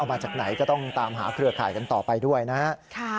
มาจากไหนก็ต้องตามหาเครือข่ายกันต่อไปด้วยนะครับ